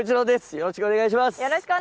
よろしくお願いします